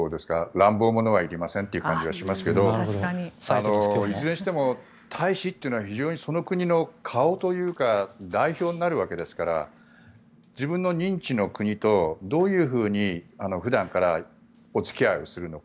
乱暴者はいりませんという感じがしますけれどいずれにしても、大使というのは非常にその国の顔というか代表になるわけですから自分の任地の国とどういうふうに普段からお付き合いをするのか。